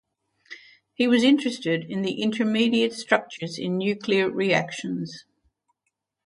He was interested in the intermediate structures in nuclear reactions.